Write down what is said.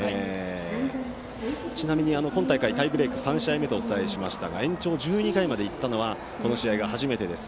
ちなみに今大会タイブレークは３試合目とお伝えしましたが延長１２回までいったのはこの試合が初めてです。